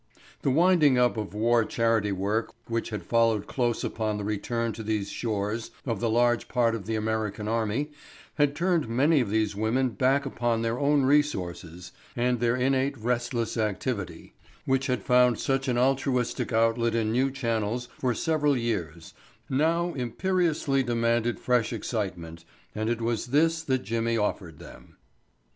The winding up of war charity work which had followed close upon the return to these shores of the larger part of the American army had turned many of these women back upon their own resources and their innate restless activity, which had found such an altruistic outlet in new channels for several years, now imperiously demanded fresh excitement, and it was this that Jimmy offered them.